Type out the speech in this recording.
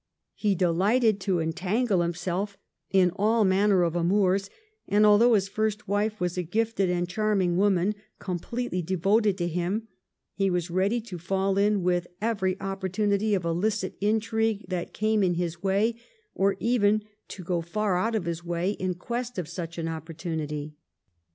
He delighted to entangle himself in all manner of amours, and although his first wife was a gifted and charming woman, completely devoted to him, he was ready to fall in with every opportunity of illicit intrigue that came in his way, or even to go far out of his way in quest of such an opportunity.